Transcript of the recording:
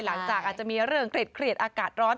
อาจจะอาจจะมีเรื่องเครียดอากาศร้อน